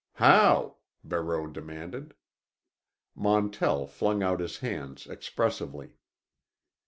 "How?" Barreau demanded. Montell flung out his hands expressively.